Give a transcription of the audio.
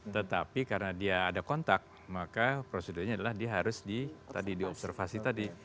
tetapi karena dia ada kontak maka prosedurnya adalah dia harus diobservasi tadi